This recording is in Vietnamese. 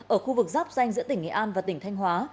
ở khu vực giáp danh giữa tỉnh nghệ an và tỉnh thanh hóa